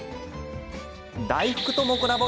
大福ともコラボ。